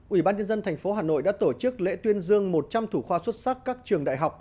ủy ban nhân dân tp hà nội đã tổ chức lễ tuyên dương một trăm linh thủ khoa xuất sắc các trường đại học